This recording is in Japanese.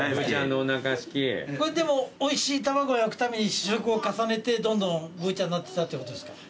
これでもおいしい卵を焼くために試食を重ねてどんどんぶーちゃんになってったってことですか？